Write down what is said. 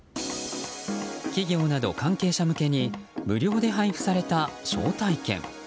企業など関係者向けに無料で配布された招待券。